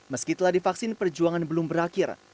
meskitalah divaksin perjuangan belum berakhir